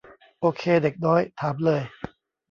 โอเคเด็กน้อย ถามเลย